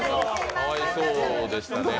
かわいそうでしたね。